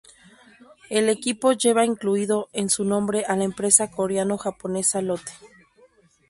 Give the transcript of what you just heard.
El equipo lleva incluido en su nombre a la empresa coreano-japonesa Lotte.